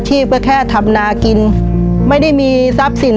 ชีวิตหนูเกิดมาเนี่ยอยู่กับดิน